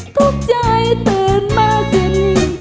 ทุกใจตื่นมาจิ้น